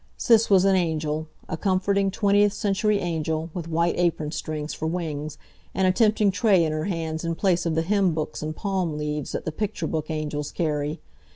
Sis was an angel; a comforting, twentieth century angel, with white apron strings for wings, and a tempting tray in her hands in place of the hymn books and palm leaves that the picture book angels carry.